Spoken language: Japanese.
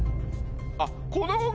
あっ。